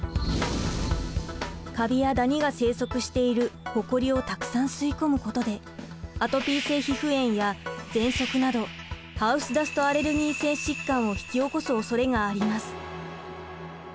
カビやダニが生息しているほこりをたくさん吸い込むことでアトピー性皮膚炎やぜんそくなどハウスダストアレルーギ性疾患を引き起こすおそれがあります。